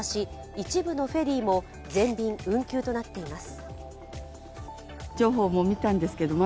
一部のフェリーも全便運休となっています。